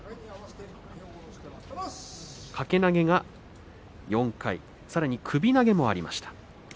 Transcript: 掛け投げが４回、首投げもありました。